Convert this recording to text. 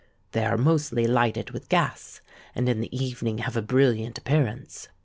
They are mostly lighted with gas, and in the evening have a brilliant appearance.